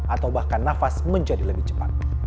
atau bahkan nafas menjadi lebih cepat